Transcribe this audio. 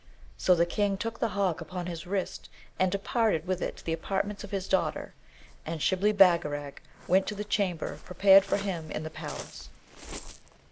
So the King took the hawk upon his wrist and departed with it to the apartments of his daughter, and Shibli Bagarag went to the chamber prepared for him in the palace.